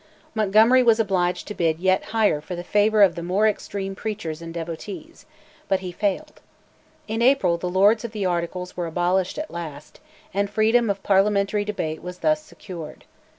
Montgomery was obliged to bid yet higher for the favour of the more extreme preachers and devotees, but he failed. In April the Lords of the Articles were abolished at last, and freedom of parliamentary debate was thus secured.